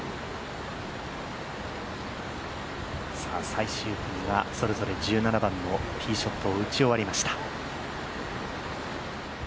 最終組はそれぞれ１７番のティーショットを打ち終わりました。